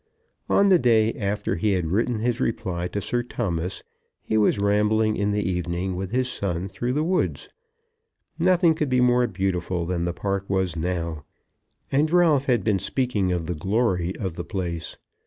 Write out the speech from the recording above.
On the day after he had written his reply to Sir Thomas he was rambling in the evening with his son through the woods. Nothing could be more beautiful than the park was now; and Ralph had been speaking of the glory of the place.